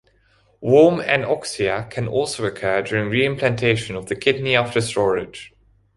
Warm anoxia can also occur during reimplantation of the kidney after storage.